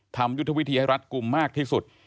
ยุทธวิธีให้รัฐกลุ่มมากที่สุด